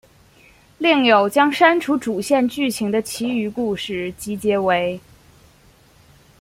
另有将删除主线剧情的其余故事集结为。